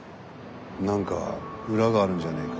何か裏があるんじゃねえか？